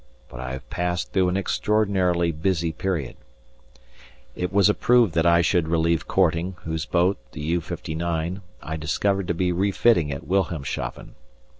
But I have passed through an extraordinarily busy period. It was approved that I should relieve Korting, whose boat, the U.59, I discovered to be refitting at Wilhelmshaven.